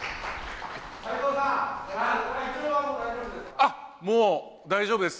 斉藤さん、あっ、もう大丈夫です。